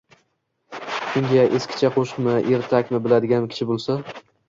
— Shunga… eskicha qoʼshiqmi, ertakmi biladigan kishi boʼlsa…